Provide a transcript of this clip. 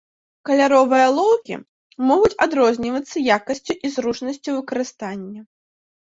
Каляровыя алоўкі могуць адрознівацца якасцю і зручнасцю выкарыстання.